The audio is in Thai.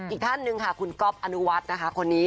อีกท่านหนึ่งค่ะคุณก๊อฟอนุวัฒน์นะคะคนนี้